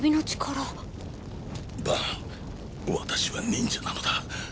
バーン私は忍者なのだ。